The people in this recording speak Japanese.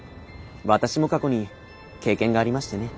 私も過去に経験がありましてね。